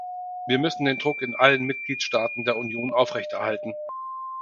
Wir müssen den Druck in allen Mitgliedstaaten der Union aufrechterhalten.